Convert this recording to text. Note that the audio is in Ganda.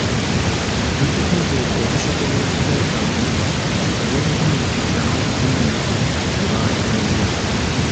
Tukikoze okusobola okubeebaza olw’obugumiikiriza n’obuvumu bwe batulaze.